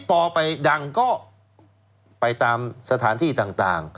ใครคือน้องใบเตย